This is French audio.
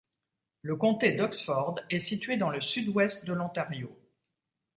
Le conté d'Oxford est situé dans le sud-ouest de l'Ontario.